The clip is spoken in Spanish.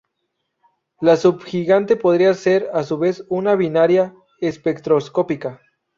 La subgigante podría ser, a su vez, una binaria espectroscópica.